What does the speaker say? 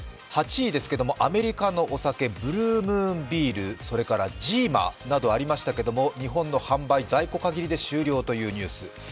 ８位、アメリカのお酒ブルームーン、それからジーマなどありましたけれども、日本の販売在庫限りで終了というニュース。